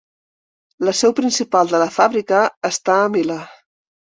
La seu principal de la fàbrica està a Milà.